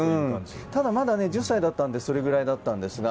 ただ、まだ１０歳だったのでそれぐらいだったんですが。